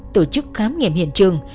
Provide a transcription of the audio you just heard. tổ chức khám nghiệm hiện trường